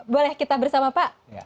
boleh kita bersama pak